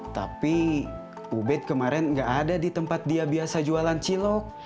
tapi ubed kemarin nggak ada di tempat dia biasa jualan cilok